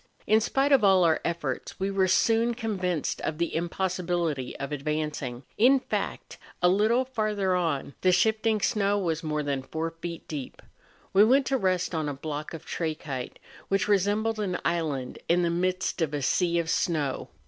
In spite of all our efforts, we were soon convinced of the impossibility of advancing; in fact, a little farther on the shifting snow was more than four feet deep. We went to rest on a block of trachyte, which resembled an island in the midst of a sea of snow.